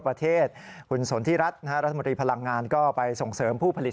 ประเทศคุณสนทิรัฐรัฐมนตรีพลังงานก็ไปส่งเสริมผู้ผลิต